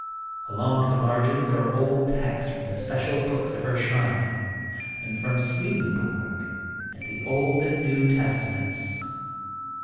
Along the margins are old texts from the special books of her shrine, and from Swedenborg and the Old and New Testa ments.